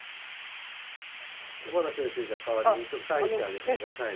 小原先生じゃあ代わりにちょっとサインしてあげてください。